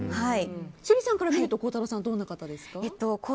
趣里さんから見ると孝太郎さんはどんな方ですか？